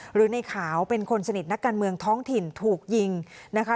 หรือในขาวเป็นคนสนิทนักการเมืองท้องถิ่นถูกยิงนะคะ